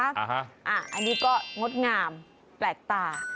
อันนี้ก็งดงามแปลกตา